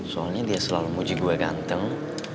soalnya dia selalu muji gua ganteng